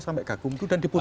sampai gakum itu dan diputus